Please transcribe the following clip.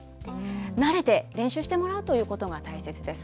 慣れて練習してもらうということが大切です。